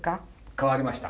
変わりました。